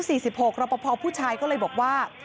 รอปภผู้ชายก็เลยบอกว่า